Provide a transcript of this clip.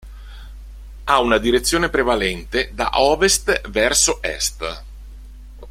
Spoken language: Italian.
Ha una direzione prevalente da ovest verso est.